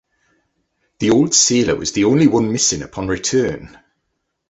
The old sailor was the only one missing upon return!